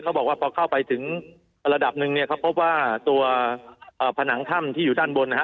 บอกว่าพอเข้าไปถึงระดับหนึ่งเนี่ยเขาพบว่าตัวผนังถ้ำที่อยู่ด้านบนนะฮะ